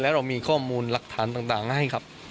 แล้วเรามีข้อมูลหลักฐานต่างมาให้ครับ